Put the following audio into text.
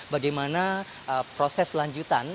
bagaimana proses lanjutan